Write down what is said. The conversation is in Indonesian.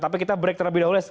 tapi kita break terlebih dahulu